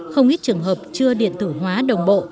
không ít trường hợp chưa điện tử hóa đồng bộ